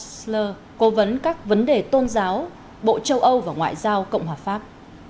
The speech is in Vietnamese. sl cố vấn các vấn đề tôn giáo bộ châu âu và ngoại giao cộng hòa pháp